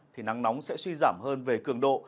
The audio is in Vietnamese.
thì nắng nóng sẽ suy giảm hơn về cường độ